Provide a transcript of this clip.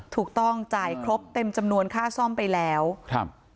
ถูกต้องจ่ายครบเต็มจำนวนค่าซ่อมไปแล้วครับ